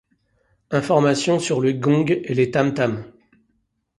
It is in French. Informations sur les gongs et les tam-tams.